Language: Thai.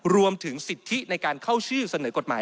รวมถึงสิทธิในการเข้าชื่อเสนอกฎหมาย